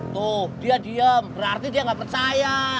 tuh dia diem berarti dia nggak percaya